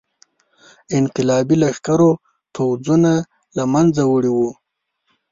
انقلابي لښکرو پوځونه له منځه وړي وو.